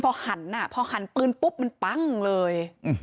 พอหันอ่ะพอหันปืนปุ๊บมันปั้งเลย